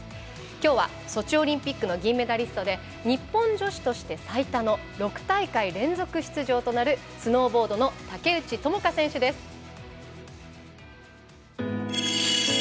きょうは、ソチオリンピックの銀メダリストで日本女子として最多の６大会連続出場となるスノーボードの竹内智香選手です。